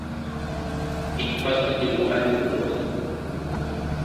এই প্রজাতির উড়ান দূর্বল।